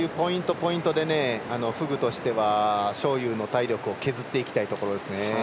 ポイントでフグとしては章勇の体力を削っていきたいところですね。